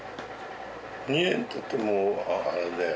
２年たってもあれだよ